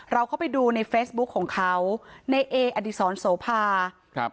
เราเข้าไปดูในเฟสบุ๊คของเขาในเออสภา